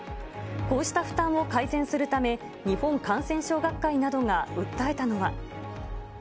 こうした負担を改善するため、日本感染症学会などが訴えたのは。